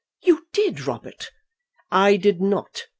"You did, Robert." "I did not.